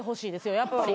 やっぱり。